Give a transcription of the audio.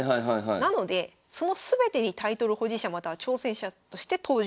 なのでその全てにタイトル保持者または挑戦者として登場。